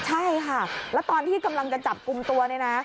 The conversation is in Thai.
ใช่ค่ะแล้วตอนที่กำลังจะจับกลุ่มตัวเนี่ยนะ